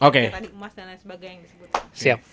kayak tadi emas dan lain sebagainya